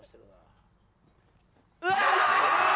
うわ！